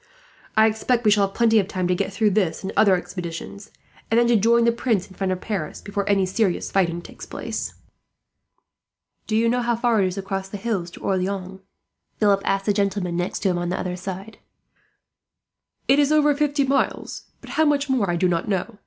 I expect we shall have plenty of time to get through this and other expeditions, and then to join the Prince in front of Paris before any serious fighting takes place." "Do you know how far it is across the hills to Orleans?" Philip asked the gentlemen next to him on the other side. "It is over fifty miles, but how much more I do not know.